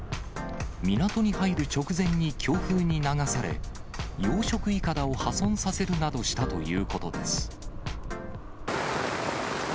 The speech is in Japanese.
港に入る直前に強風に流され、養殖いかだを破損させるなどしたということです。